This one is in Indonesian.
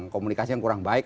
komunikasi yang kurang baik